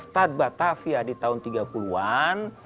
stad batavia di tahun tiga puluh an